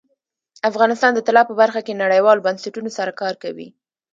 افغانستان د طلا په برخه کې نړیوالو بنسټونو سره کار کوي.